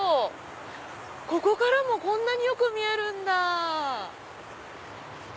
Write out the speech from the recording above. ここからもこんなによく見えるんだ！